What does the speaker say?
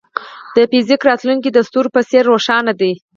د فزیک راتلونکی د ستورو په څېر روښانه دی.